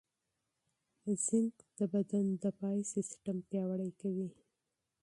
زېنک د بدن دفاعي سیستم پیاوړی کوي.